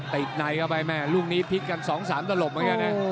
ติดไนเข้าไปแม่ลูกนี้พลิกกัน๒๓ตระหลบมากยังไงนะ